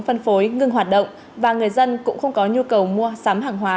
phân phối ngưng hoạt động và người dân cũng không có nhu cầu mua sắm hàng hóa